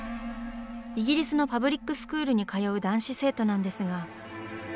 イギリスのパブリックスクールに通う男子生徒なんですが。